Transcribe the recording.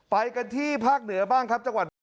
ไปกันที่ภาคเหนือบ้างครับจังหวัดภูเก็ต